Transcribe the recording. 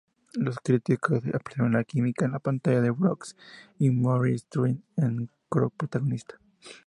Los críticos apreciaron la química en pantalla de Brooks y Meryl Streep, su co-protagonista.